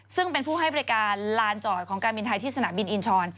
ซึ่งเป็นผู้ให้บริการลานจอดของการบินไทยที่สนามบินอินชร